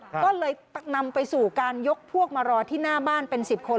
ก็เลยนำไปสู่การยกพวกมารอที่หน้าบ้านเป็น๑๐คน